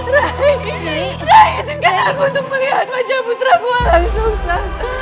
rai rai izinkan aku untuk melihat wajah putraku langsung saja